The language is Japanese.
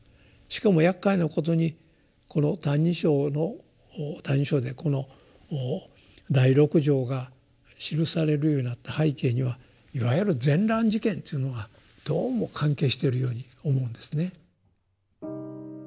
しかもやっかいなことにこの「歎異抄」の「歎異抄」でこの第六条が記されるようになった背景にはいわゆる「善鸞事件」というのがどうも関係しているように思うんですね。